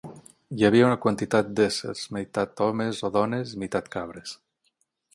Hi havia una quantitat d’éssers, meitat hòmens o dones, meitat cabres.